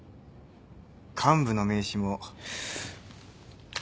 幹部の名刺も。